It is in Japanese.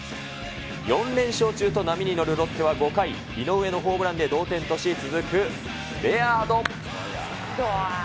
４連勝中と波に乗るロッテは５回、井上のホームランで同点とし、続くレアード。